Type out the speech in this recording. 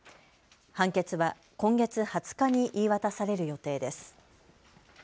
判決は今月２０日に言い渡される予定です。